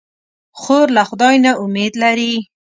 خور له خدای نه امید لري.